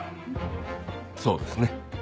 そうですね。